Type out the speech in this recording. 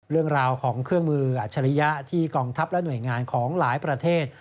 เรื่องราวของเครื่องมืออัจฉริยะที่กองทัพและหน่วยงานของหลายประเทศ